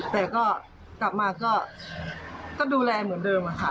แต่ก็กลับมาก็ดูแลเหมือนเดิมค่ะ